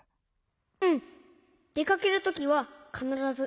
うん。でかけるときはかならず。